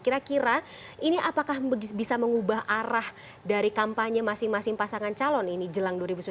kira kira ini apakah bisa mengubah arah dari kampanye masing masing pasangan calon ini jelang dua ribu sembilan belas